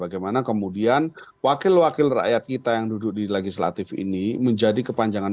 bagaimana kemudian wakil wakil rakyat kita yang duduk di legislatif ini menjadi kepanjangan